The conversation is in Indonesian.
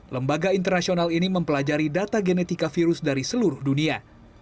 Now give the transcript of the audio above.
lembaga internasional ini mempelajari data genetika virus dari seluruh dunia